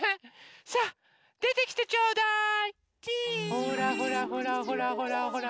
ほらほらほらほらほら。